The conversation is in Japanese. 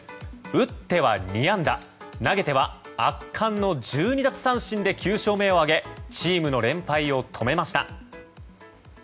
打っては２安打投げては圧巻の１２奪三振で９勝目を挙げチームの連敗を止めました。